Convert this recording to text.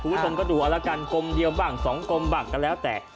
ผู้ชมก็ดูแล้วกันกลม๑บัง๒กลมบังกันแล้วแต่